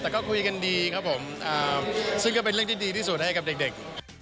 แต่ก็คุยกันดีครับผมซึ่งก็เป็นเรื่องที่ดีที่สุดให้กับเด็ก